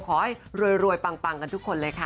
ขอให้รวยปังกันทุกคนเลยค่ะ